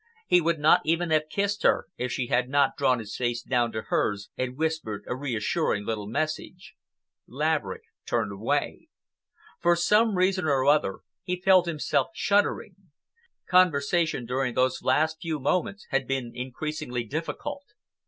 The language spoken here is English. He would not even have kissed her if she had not drawn his face down to hers and whispered a reassuring little message. Laverick turned away. For some reason or other he felt himself shuddering. Conversation during those last few moments had been increasingly difficult.